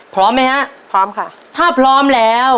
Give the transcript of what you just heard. พร้อมไหมฮะพร้อมค่ะถ้าพร้อมแล้ว